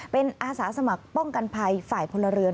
เป็นอาสาสมัครป้องกันภัยฝ่ายพลเรือน